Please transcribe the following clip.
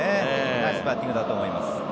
ナイスバッティングだと思います。